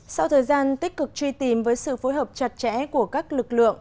sau thời gian tích cực truy tìm với sự phối hợp chặt chẽ của các lực lượng